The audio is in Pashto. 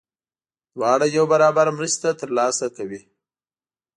دواړه یو برابر مرستې ترلاسه کوي.